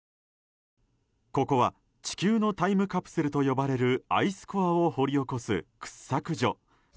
ここは地球のタイムカプセルと呼ばれるアイスコアを掘り起こす掘削所。